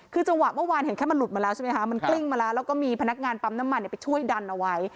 คือจังหวะเมื่อวานเห็นแค่มันหลุดมาแล้วใช่ไหมคะมันกลิ้งมาแล้วแล้วก็มีพนักงานปั๊มน้ำมันไปช่วยดันเอาไว้